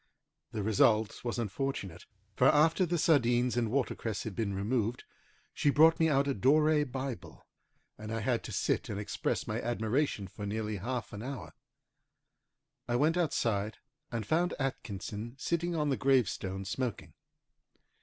The result was unfortunate, for after the sardines and watercress had been removed, she brought me out a Dore Bible, and I had to sit and express my admiration for nearly half an hour. I went outside, and found Atkinson sitting on the gravestone smoking.